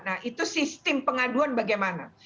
nah itu sistem pengaduan bagaimana